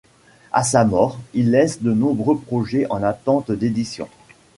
A sa mort, il laisse de nombreux projet en attente d'édition.